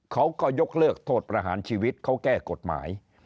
เขาก็ยกเลิกโทษประหารชีวิตเขาแก้กฎหมาย